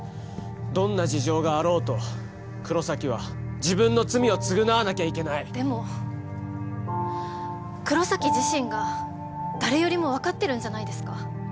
どんな事情があろうと黒崎は自分の罪を償わなきゃいけないでも黒崎自身が誰よりも分かってるんじゃないですか？